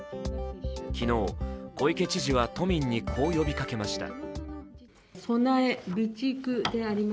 昨日、小池知事は都民にこう呼びかけました。